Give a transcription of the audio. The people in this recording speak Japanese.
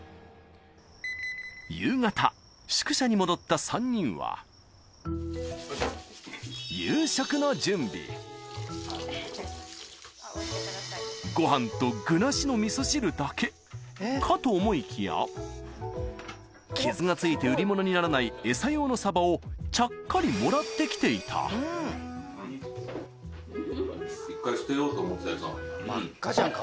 夕方宿舎に戻った３人はの準備だけかと思いきや傷がついて売り物にならないエサ用のサバをちゃっかりもらってきていた真っ赤じゃん顔。